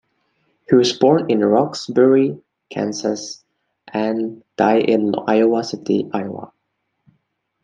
He was born in Roxbury, Kansas and died in Iowa City, Iowa.